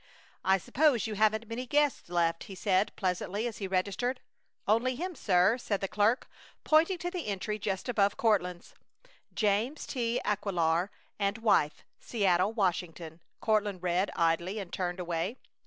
"I suppose you haven't many guests left," he said, pleasantly, as he registered. "Only him, sir!" said the clerk, pointing to the entry just above Courtland's. "James T. Aquilar and wife, Seattle, Washington," Courtland read, idly, and turned away.